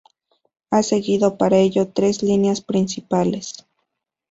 Ha seguido para ello tres líneas principales.